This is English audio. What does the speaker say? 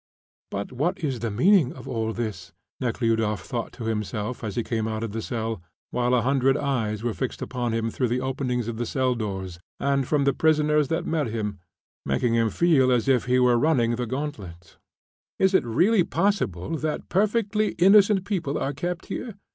"But what is the meaning of all this?" Nekhludoff thought to himself as he came out of the cell, while a hundred eyes were fixed upon him through the openings of the cell doors and from the prisoners that met him, making him feel as if he were running the gauntlet. "Is it really possible that perfectly innocent people are kept here?"